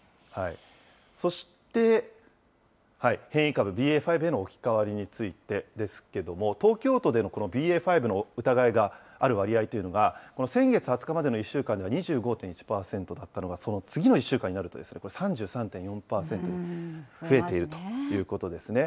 そして変異株ＢＡ．５への置き換わりについてですけれども、東京都でのこのＢＡ．５の疑いがある割合というのが、先月２０日までの１週間では２５．１％だったのが、その次の１週間になると３３．４％に増えているということですね。